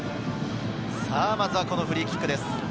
まずはフリーキックです。